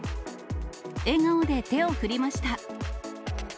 笑顔で手を振りました。